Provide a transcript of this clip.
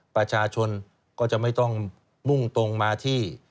ประชาชนก็จะไม่ต้องมุ่งตรงมาที่